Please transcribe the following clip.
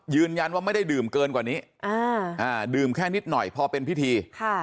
ยืนยันว่าไม่ได้ดื่มเกินกว่านี้ดื่มแค่นิดหน่อยพอเป็นพิธี